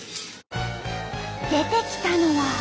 出てきたのは。